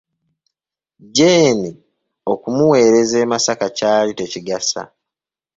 Jeeni okumuwereza e Masaka kyali tekigasa!